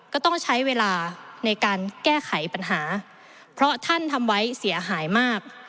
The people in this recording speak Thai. ก็ต้องใช้เวลาในการแก้ไขปัญหาเพราะท่านทำไว้เสียหายมาก